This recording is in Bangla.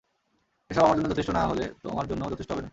এসব আমার জন্য যথেষ্ট না হলে তোমার জন্যও যথেষ্ট হবে না।